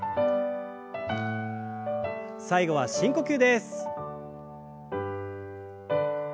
最後は深呼吸です。